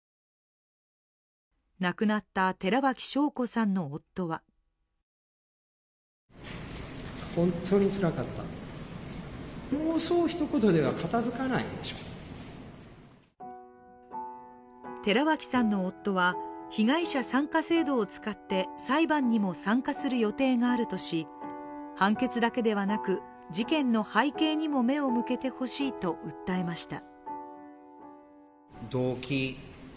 亡くなった寺脇晶子さんの夫は寺脇さんの夫は、被害者参加制度を使って裁判にも参加する予定があるとし判決だけではなく事件の背景にも目を向けてほしいと訴えました。